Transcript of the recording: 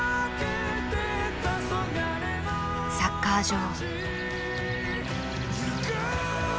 サッカー場。